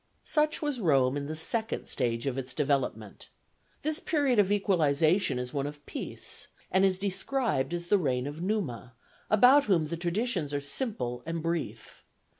Such was Rome in the second stage of its development. This period of equalization is one of peace, and is described as the reign of Numa, about whom the traditions are simple and brief.